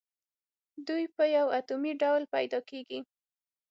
دوی په یو اتومي ډول پیداکیږي.